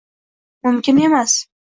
mumkin emas.